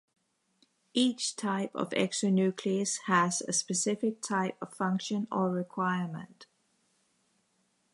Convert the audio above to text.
Each type of exonuclease has a specific type of function or requirement.